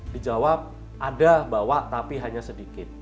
dijawab ada bawa tapi hanya sedikit